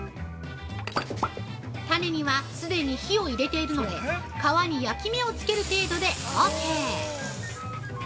タネには既に火を入れているので皮に焼き目をつける程度でオーケー！